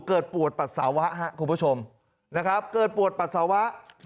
ปวดปัสสาวะครับคุณผู้ชมนะครับเกิดปวดปัสสาวะ